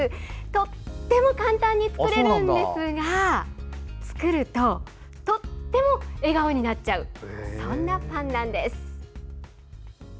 とても簡単に作れるんですが作るととっても笑顔になってしまうそんなパンなんです。